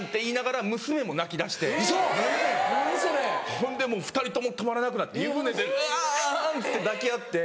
・ほんでもう２人とも止まらなくなって湯船でウワンって抱き合って。